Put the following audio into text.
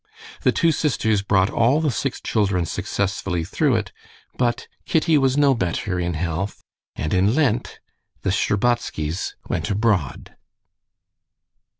The two sisters brought all the six children successfully through it, but Kitty was no better in health, and in Lent the Shtcherbatskys went abroad.